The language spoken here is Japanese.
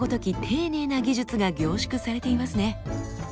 丁寧な技術が凝縮されていますね。